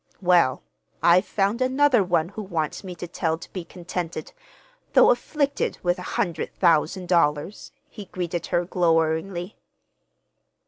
"Well, I've found another one who wants me to tell how to be contented, though afflicted with a hundred thousand dollars," he greeted her gloweringly.